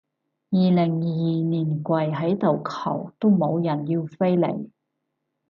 二零二二年跪喺度求都冇人要飛嚟